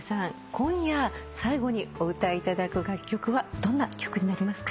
今夜最後にお歌いいただく楽曲はどんな曲になりますか？